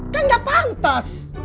kan gak pantas